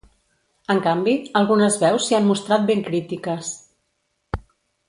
En canvi, algunes veus s’hi han mostrat ben crítiques.